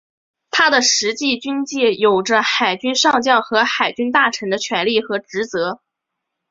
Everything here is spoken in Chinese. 他的实际军阶有着海军上将和海军大臣的权力和职责。